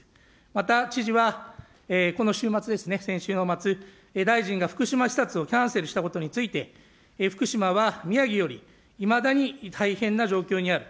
また知事は、この週末、先週の末、大臣が福島施設をキャンセルしたことについて福島は宮城より、いまだに大変な状況にある。